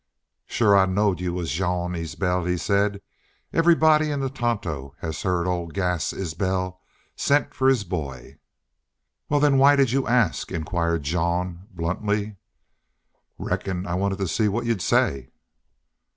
"Shore I knowed you was Jean Isbel," he said. "Everybody in the Tonto has heerd old Gass Isbel sent fer his boy." "Well then, why did you ask?" inquired Jean, bluntly. "Reckon I wanted to see what you'd say."